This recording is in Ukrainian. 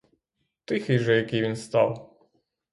Тихий же який він став!